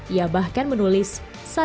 ia bahkan menulis